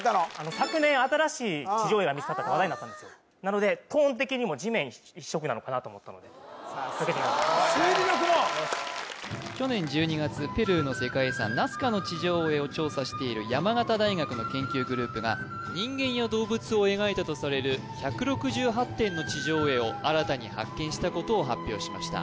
昨年新しい地上絵が見つかったって話題になったんですよなのでトーン的にも地面一色なのかなと思ったのでかけてみました推理力も去年１２月ペルーの世界遺産ナスカの地上絵を調査している山形大学の研究グループが人間や動物を描いたとされる１６８点の地上絵を新たに発見したことを発表しました